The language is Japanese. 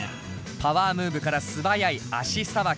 パワームーブから素早い足さばき。